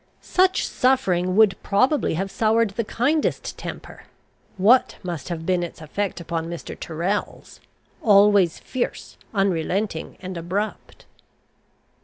Such suffering would probably have soured the kindest temper; what must have been its effect upon Mr. Tyrrel's, always fierce, unrelenting, and abrupt?